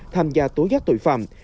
tham gia tố giác tội phạm